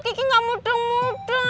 kiki gak muda muda